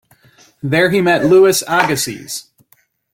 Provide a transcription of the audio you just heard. There he met Louis Agassiz.